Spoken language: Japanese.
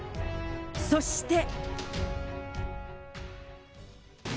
そして。